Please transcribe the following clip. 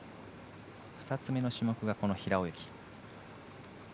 ２つ目の種目が平泳ぎ。